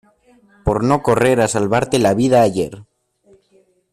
por no correr a salvarte la vida ayer.